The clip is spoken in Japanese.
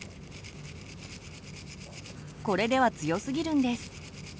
これでは強すぎるんです。